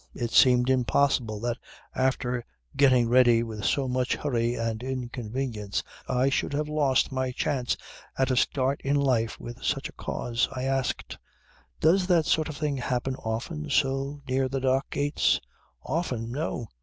It seemed impossible that after getting ready with so much hurry and inconvenience I should have lost my chance of a start in life from such a cause. I asked: "Does that sort of thing happen often so near the dock gates?" "Often! No!